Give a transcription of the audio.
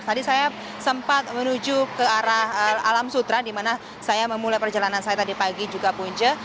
tadi saya sempat menuju ke arah alam sutra di mana saya memulai perjalanan saya tadi pagi juga punca